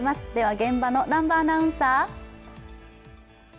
現場の南波アナウンサー。